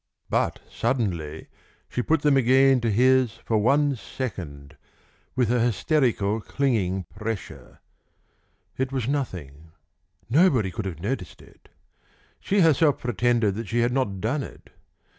But suddenly she put them again to his for one second, with a hysterical clinging pressure. It was nothing. Nobody could have noticed it. She herself pretended that she had not done it.